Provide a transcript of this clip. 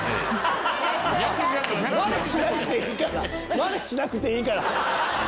マネしなくていいから！